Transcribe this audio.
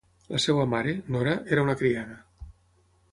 La seva mare, Nora, era una criada.